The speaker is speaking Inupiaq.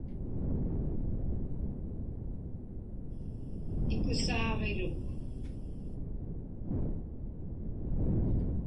Ikusaaġiruk.